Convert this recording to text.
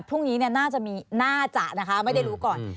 พรุ่งนี้น่าจะนะคะไม่ได้รู้ก่อน